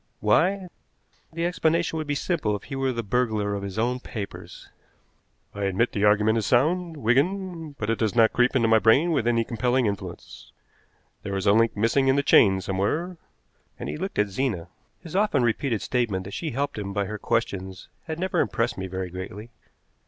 Why? The explanation would be simple if he were the burglar of his own papers." "I admit the argument is sound, Wigan, but it does not creep into my brain with any compelling influence. There is a link missing in the chain somewhere," and he looked at Zena. His often repeated statement that she helped him by her questions had never impressed me very greatly.